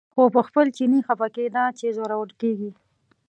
خو په خپل چیني خپه کېده چې ځورول کېږي.